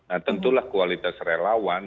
nah tentulah kualitas relawan